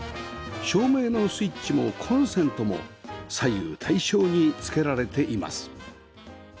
照明のスイッチもコンセントも左右対称につけられています